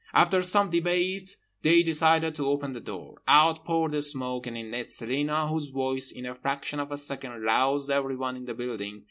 After some debate they decided to open the door—out poured the smoke, and in it Celina, whose voice in a fraction of a second roused everyone in the building.